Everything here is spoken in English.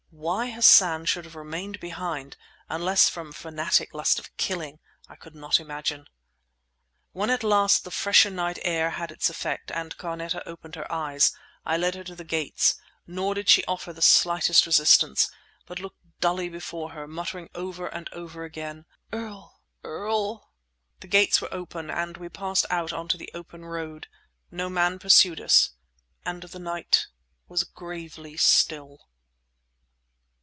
Why Hassan should have remained behind, unless from fanatic lust of killing, I could not imagine. When at last the fresher night air had its effect, and Carneta opened her eyes, I led her to the gates, nor did she offer the slightest resistance, but looked dully before her, muttering over and over again, "Earl, Earl!" The gates were open; we passed out on to the open road. No man pursued us, and the night was gravely still.